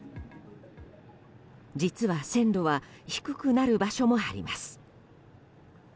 実は線路は低くなる場所もあります。